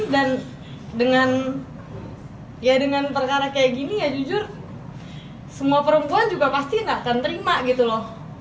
dan dengan perkara kayak gini ya jujur semua perempuan juga pasti tidak akan terima gitu loh